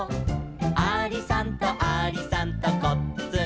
「ありさんとありさんとこっつんこ」